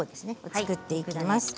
作っていきます。